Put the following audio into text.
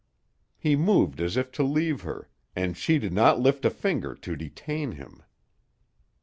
He moved as if to leave her, and she did not lift a finger to detain him.